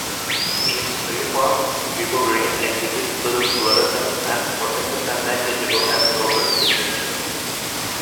In its free form, RiboGreen exhibits little fluorescence and possesses a negligible absorbance signature.